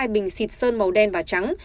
hai bình xịt sơn màu đen và trắng